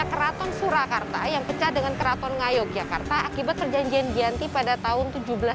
keraton surakarta yang pecah dengan keraton ngayogyakarta akibat perjanjian ganti pada tahun